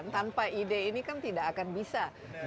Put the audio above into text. tanpa ide ini kan tidak akan bisa